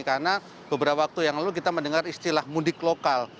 karena beberapa waktu yang lalu kita mendengar istilah mudik lokal